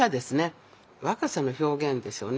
若さの表現ですよね。